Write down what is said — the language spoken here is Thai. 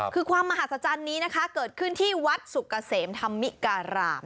คือความมหาศจรรย์นี้นะคะเกิดขึ้นที่วัดสุกเกษมธรรมิการาม